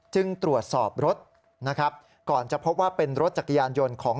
จึงตรวจสอบรถนะครับก่อนจะพบว่าเป็นรถจักรยานยนต์ของ